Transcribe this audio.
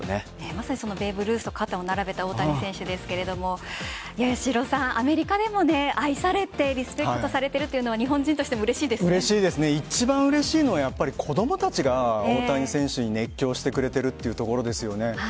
まさにベーブ・ルースと肩を並べた大谷選手ですがアメリカでも愛されてリスペクトされているのは一番うれしいのは子供たちが大谷選手に熱狂してくれているというところですよね。